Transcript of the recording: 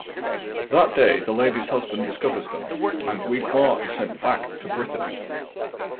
That day, the lady's husband discovers them, and Guigemar is sent back to Brittany.